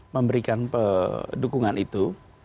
memberikan dukungan itu